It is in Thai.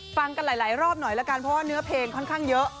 ฟังกันหลายรอบหน่อยละกันเพราะว่าเนื้อเพลงค่อนข้างเยอะ